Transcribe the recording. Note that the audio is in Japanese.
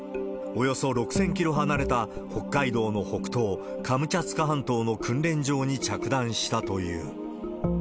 およそ６０００キロ離れた北海道の北東、カムチャツカ半島の訓練場に着弾したという。